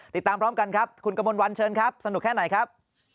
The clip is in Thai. ติดตามพร้อมกันครับคุณกระมวลวันเชิญครับสนุกแค่ไหนครับ